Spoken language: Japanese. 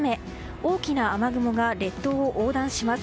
大きな雨雲が列島を横断します。